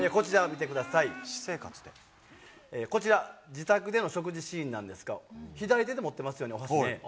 こちら、自宅での食事シーンなんですが、左手で持ってますよね、お箸ね。